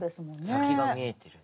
先が見えている。